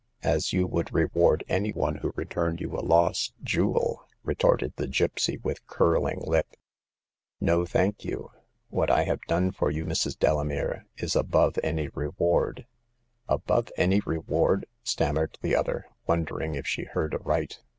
" As you would reward any one who returned you a lost jewel !" retorted the gypsy, with curling lip. No, thank you ; what I have done for you, Mrs. Delamere, is above any re , ward." Above any reward !" stammered the other, wondering if she heard aright.